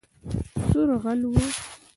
سور غل وو